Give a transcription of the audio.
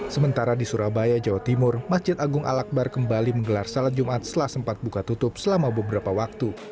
sementara di surabaya jawa timur masjid agung al akbar kembali menggelar salat jumat setelah sempat buka tutup selama beberapa waktu